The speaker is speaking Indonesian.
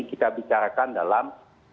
kita bicarakan dalam